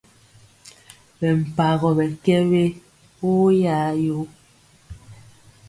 Ɓɛ mpagɔ ɓɛ kɛ we oyayoo.